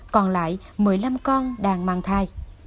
còn lại một mươi năm con đang mang thai